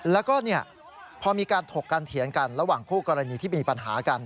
แล้วก็พอมีการถกกันเถียงกันระหว่างคู่กรณีที่มีปัญหากัน